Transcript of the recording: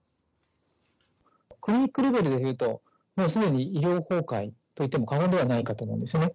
クリニックレベルでいうと、もうすでに医療崩壊といっても過言ではないかと思うんですね。